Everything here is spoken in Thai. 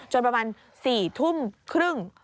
ประมาณ๔ทุ่มครึ่ง